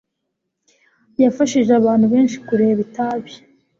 yafashije abantu benshi kureka itabi.